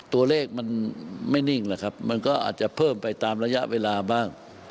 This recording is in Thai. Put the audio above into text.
ตัวเลขมันไม่นิ่งแล้วครับมันก็อาจจะเพิ่มไปตามระยะเวลาบ้าง